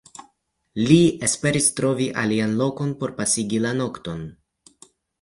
Li esperis trovi alian lokon por pasigi la nokton.